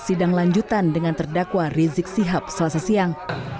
sidang lanjutan dengan terdakwa rizik sihab selasa siang